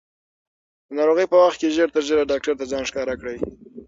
د ناروغۍ په وخت کې ژر تر ژره ډاکټر ته ځان ښکاره کړئ.